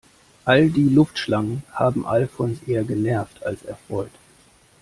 All die Luftschlangen haben Alfons eher genervt als erfreut.